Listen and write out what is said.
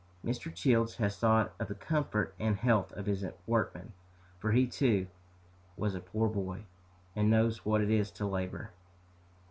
Mr. Childs has thought of the comfort and health of his workmen, for he, too, was a poor boy, and knows what it is to labor.